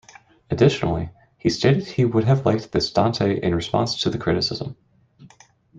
Additionally, he stated he would have liked this Dante in response to the criticism.